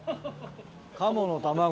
鴨の卵。